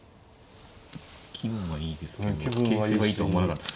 気分はいいですけど形勢はいいとは思わなかった。